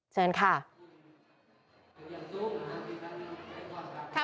เชิญค่ะ